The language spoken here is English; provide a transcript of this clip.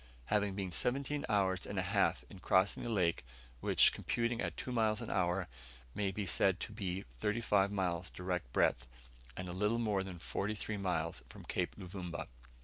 having been seventeen hours and a half in crossing the lake, which, computing at two miles an hour, may be said to be thirty five miles direct breadth, and a little more than forty three miles from Cape Luvumba.